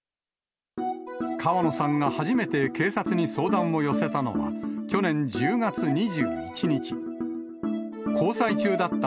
川野さんが初めて警察に相談を寄せたのは、去年１０月２１日。